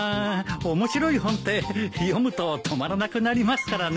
面白い本って読むと止まらなくなりますからね。